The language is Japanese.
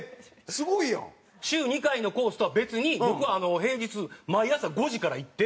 週２回のコースとは別に僕は平日毎朝５時から行って。